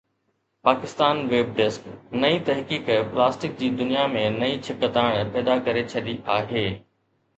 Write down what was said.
Pakistan web desk: نئين تحقيق plastic جي دنيا ۾ نئين ڇڪتاڻ پيدا ڪري ڇڏي آهي